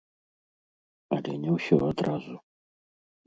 Але не ўсё адразу.